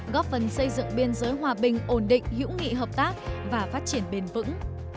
góp phần xây dựng biên giới hòa bình ổn định hữu nghị hợp tác và phát triển bền vững